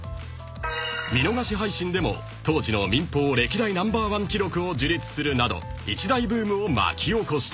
［見逃し配信でも当時の民放歴代ナンバーワン記録を樹立するなど一大ブームを巻き起こした］